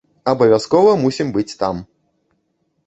Абавязкова мусім быць там!